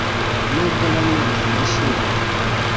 Nubwo bamwe batabishima